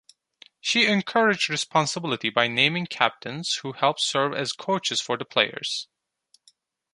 She encouraged responsibility by naming captains, who helped serve as coaches for the players.